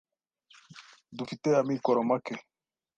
Dufite amikoro make.